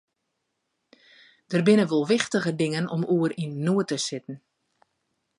Der binne wol wichtiger dingen om oer yn noed te sitten.